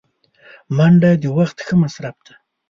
منډه د وخت ښه مصرف دی